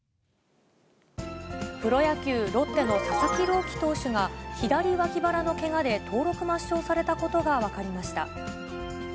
プロ野球・ロッテの佐々木朗希投手が、左わき腹のけがで登録抹消されたことが分かりました。